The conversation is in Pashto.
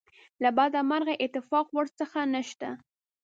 له بده مرغه اتفاق ورڅخه نشته.